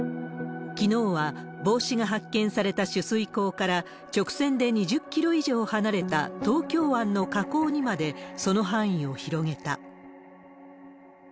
きのうは、帽子が発見された取水口から直線で２０キロ以上離れた、東京湾の河口にまでその範囲を広げた。